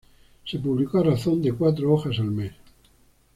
Se publicó a razón de cuatro hojas al mes.